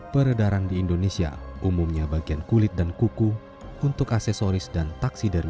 peredaran di indonesia umumnya bagian kulit dan kuku untuk aksesoris dan taksideru